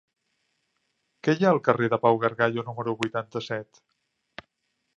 Què hi ha al carrer de Pau Gargallo número vuitanta-set?